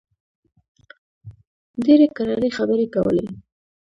ډېرې کراري خبرې کولې.